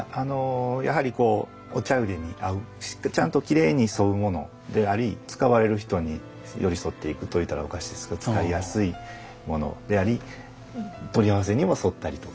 やはりこうお茶入に合うちゃんときれいに添うものであり使われる人に寄り添っていくと言ったらおかしいですけど使いやすいものであり取り合わせにも添ったりとか。